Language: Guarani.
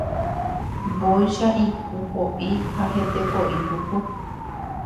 Mbóicha ikũ poʼi ha hete poʼi puku.